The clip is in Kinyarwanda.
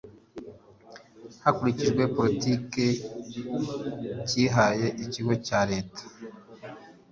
Hakurikijwe politiki cyihaye Ikigo cya Leta